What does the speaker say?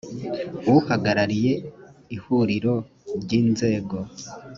uhagarariye ihuriro ry inzego